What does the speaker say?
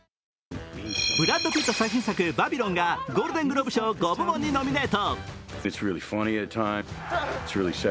ブラッド・ピット最新作「バビロン」がゴールデングローブ賞５部門にノミネート。